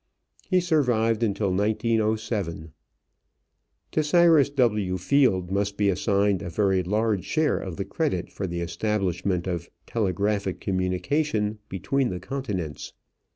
He survived until 1907. To Cyrus W. Field must be assigned a very large share of the credit for the establishment of telegraphic communication between the continents.